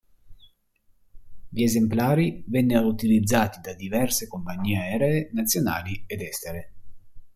Gli esemplari vennero utilizzati da diverse compagnie aeree nazionali ed estere.